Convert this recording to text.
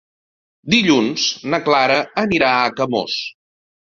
Dilluns na Clara anirà a Camós.